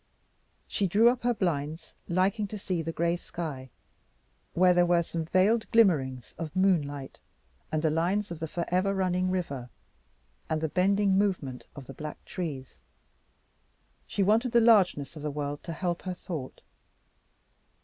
She drew up her blinds, liking to see the gray sky, where there were some veiled glimmerings of moonlight, and the lines of the forever running river, and the bending movement of the black trees. She wanted the largeness of the world to help her thought.